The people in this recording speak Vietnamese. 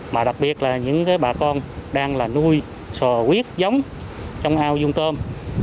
mà đặc biệt là những bà con đang nuôi sò huyết giống trong ao dung tơm